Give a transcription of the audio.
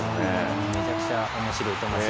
めちゃくちゃおもしろいと思います。